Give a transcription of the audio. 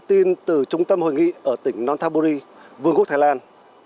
xin từ trung tâm hội nghị ở tỉnh nonthaburi vương quốc thái lan